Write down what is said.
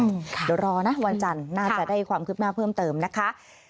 เดี๋ยวรอนะวันจันทร์น่าจะได้ความคืบหน้าเพิ่มเติมนะคะ